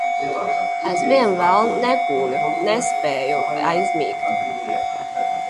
Aizvien vēl neguļu, nespēju aizmigt.